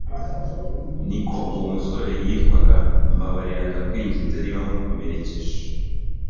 niko uwo musore yitwaga mbabarira ndakwingize niba nkukomerekeje